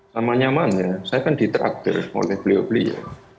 sama nyaman ya saya kan di traktor oleh beliau beli ya